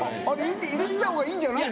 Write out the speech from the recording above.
入れてたほうがいいんじゃないの。